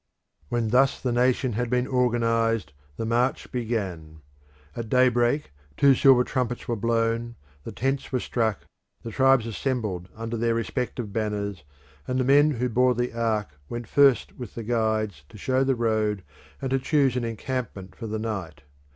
When thus the nation had been organised the march began. At daybreak two silver trumpets were blown, the tents were struck, the tribes assembled under their respective banners, and the men who bore the ark went first with the guides to show the road and to choose an encampment for the night.